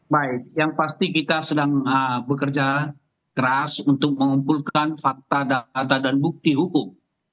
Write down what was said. baik yang pasti kita sedang bekerja keras untuk mengumpulkan fakta data dan bukti hukum